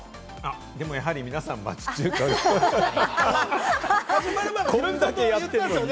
やはり皆さん、町中華なんですね。